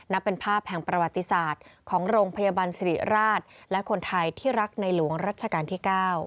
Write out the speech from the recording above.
นับเป็นภาพแห่งประวัติศาสตร์ของโรงพยาบาลสิริราชและคนไทยที่รักในหลวงรัชกาลที่๙